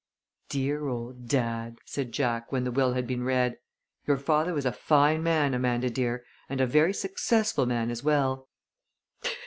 "Dear old dad!" said Jack, when the will had been read. "Your father was a fine man, Amanda dear, and a very successful man as well."